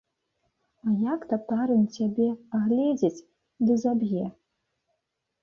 А як татарын цябе агледзіць ды заб'е?